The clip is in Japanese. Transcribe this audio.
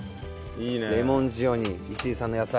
レモン塩に石井さんの野菜。